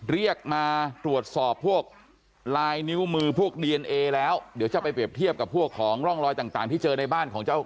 เรียกมาตรวจสอบพวกลายนิ้วมือพวกดีเอนเอแล้วเดี๋ยวจะไปเปรียบเทียบกับพวกของร่องรอยต่างที่เจอในบ้านของเจ้า